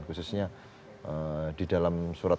khususnya di dalam surat